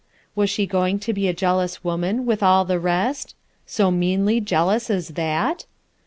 Was she going to be a jealous woman, with all the rest? So meanly jealous as that?